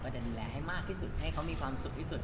จะดูแลให้มากที่สุดให้เขามีความสุขที่สุด